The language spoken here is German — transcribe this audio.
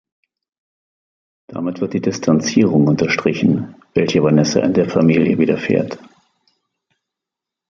Damit wird die Distanzierung unterstrichen, welche Vanessa in der Familie widerfährt.